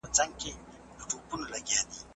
کله کله ډير مهر د خاوند د پورونو او قرضونو سبب سي.